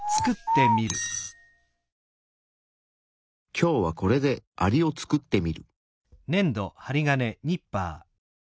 今日はこれでアリを作ってみる。